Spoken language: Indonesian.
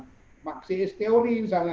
sebagai maksiis teori misalnya